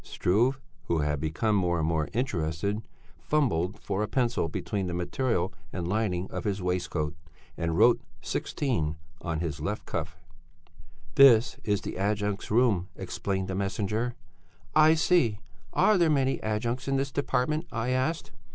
Struve, who had become more and more interested fumbled for a pencil between the material and lining of his waistcoat, and wrote "16" on his left cuff. "'This is the adjuncts' room,' explained the messenger. "'I see! Are there many adjuncts in this department?' I asked.